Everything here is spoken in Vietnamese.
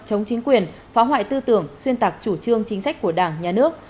chống chính quyền phá hoại tư tưởng xuyên tạc chủ trương chính sách của đảng nhà nước